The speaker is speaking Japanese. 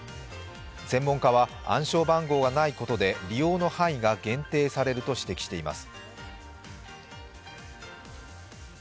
専門家は暗証番号がないことで利用の範囲が限定されると指摘しています。